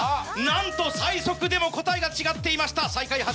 なんと最速でも答えが違っていました最下位８位です。